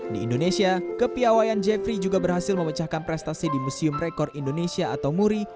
di indonesia kepiawayan jeffrey juga berhasil memecahkan prestasi di museum rekor indonesia atau muri